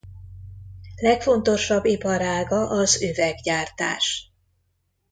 Legfontosabb iparága az üveggyártás.